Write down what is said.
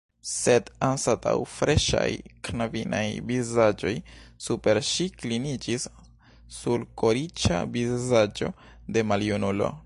Sed anstataŭ freŝaj knabinaj vizaĝoj super ŝi kliniĝis sulkoriĉa vizaĝo de maljunulo.